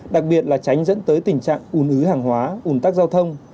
đặc biệt là tránh dẫn tới tình trạng ùn ứ hàng hóa ùn tắc giao thông